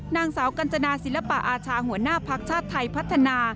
นางสาวกัญจนาศิลปะอาชาหัวหน้าภักดิ์ชาติไทยพัฒนา